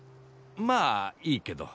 まあいいけど。